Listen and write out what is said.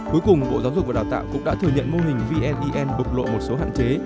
cuối cùng bộ giáo dục và đào tạo cũng đã thừa nhận mô hình vnec lộ một số hạn chế